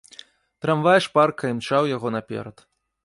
Трамвай шпарка імчаў яго наперад.